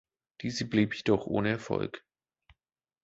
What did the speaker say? Diese blieb jedoch ohne Erfolg.